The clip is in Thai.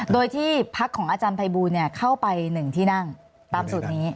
โดยที่พักของอาจารย์ภัยบูลเข้าไป๑ที่นั่งตามสูตรนี้